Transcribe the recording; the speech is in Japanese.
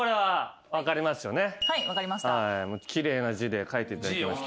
奇麗な字で書いていただきまして。